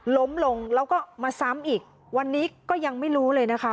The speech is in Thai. ล้มลงแล้วก็มาซ้ำอีกวันนี้ก็ยังไม่รู้เลยนะคะ